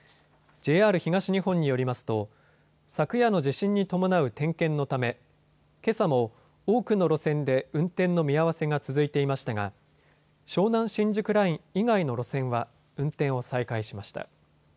ＪＲ東日本によりますと昨夜の地震に伴う点検のためけさも多くの路線で運転の見合わせが続いていましたが湘南新宿ライン以外の路線は運転を再開しました。